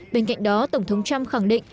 bên cạnh đó tổng thống trump khẳng định